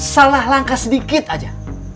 salah langkah sedikit saja